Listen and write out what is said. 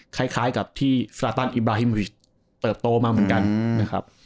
คล้ายกับที่สลัตนอิบราฮิมฟิศเติบโตมากเหมือนกัน